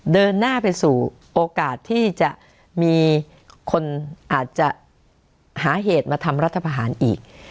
เดินหน้าไปสู่โอกาสที่จะมีคนอาจจะหาเหตุมาทำรัฐประหารอีก